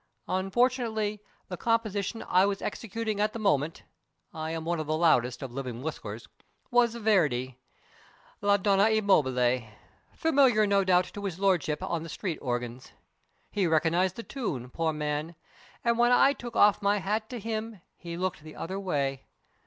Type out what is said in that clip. Unfortunately, the composition I was executing at the moment (I am one of the loudest of living whistlers) was by Verdi "La Donna e Mobile" familiar, no doubt, to his lordship on the street organs. He recognized the tune, poor man, and when I took off my hat to him he looked the other way.